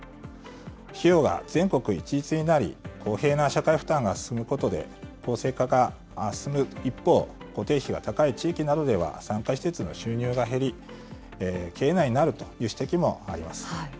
費用が全国一律になり、公平な社会負担が進むことで公正化が進む一方、固定費が高い地域などでは産科施設の収入が減り、経営難になるとの指摘もあります。